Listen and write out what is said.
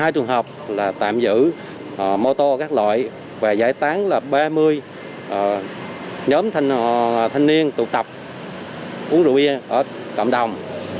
hai trường hợp là tạm giữ mô tô các loại và giải tán là ba mươi nhóm thanh niên tụ tập uống rượu bia ở cộng đồng